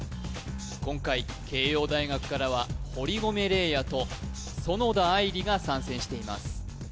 今回慶應大学からは堀籠怜哉と園田愛莉が参戦しています